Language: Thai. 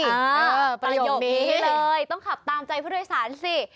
ประโยคนี้เลยต้องขับตามใจผู้โดยสารสิ